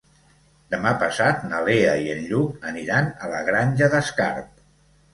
Demà passat na Lea i en Lluc aniran a la Granja d'Escarp.